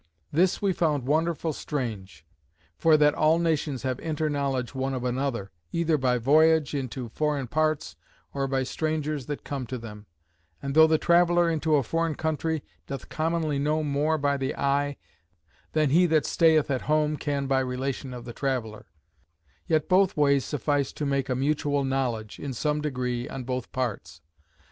This we found wonderful strange; for that all nations have inter knowledge one of another, either by voyage into foreign parts, or by strangers that come to them: and though the traveller into a foreign country, doth commonly know more by the eye, than he that stayeth at home can by relation of the traveller; yet both ways suffice to make a mutual knowledge, in some degree, on both parts.